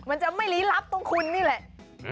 มันจะไม่ลี้ลับตรงคุณนี่แหละ